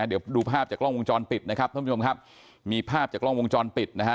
เดี๋ยวดูภาพจากกล้องวงจรปิดนะครับท่านผู้ชมครับมีภาพจากกล้องวงจรปิดนะฮะ